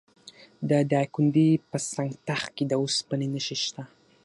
د دایکنډي په سنګ تخت کې د وسپنې نښې شته.